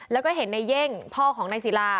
แล้วก็เห็นในเย่งพ่อของนายศิลา